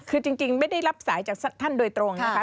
คือจริงไม่ได้รับสายจากท่านโดยตรงนะคะ